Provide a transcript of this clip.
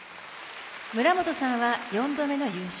村元さんは４度目の優勝。